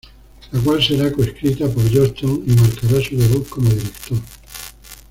La cual será co-escrita por Johnston y marcara su debut como director.